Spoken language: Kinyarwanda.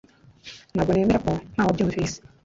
Ntabwo nemera ko ntawabyumvise